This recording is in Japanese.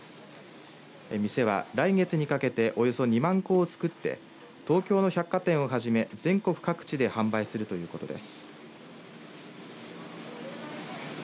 店は来月にかけておよそ２万個を作って東京の百貨店をはじめ全国各地で販売するということです。